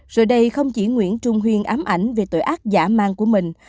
giờ đây không chỉ nguyễn trung huyên ám ảnh về tội ác giả mang của mình